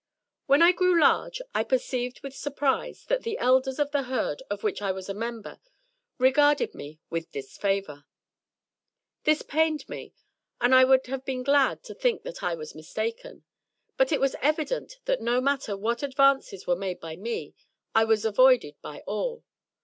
When I grew large I perceived with surprise that the Elders of the Herd of which I was a member regarded me with disfavour. This pained me, and I would have been glad to think that I was mistaken; but it was evident that no matter what advances were made by me, I was avoided by all.